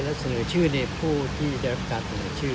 และเสนอชื่อในผู้ที่ได้รับการเสนอชื่อ